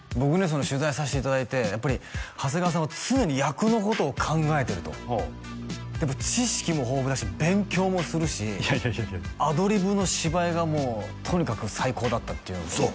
その取材さしていただいてやっぱり長谷川さんは常に役のことを考えてるとで知識も豊富だし勉強もするしいやいやいやいやアドリブの芝居がもうとにかく最高だったっていうのと嘘！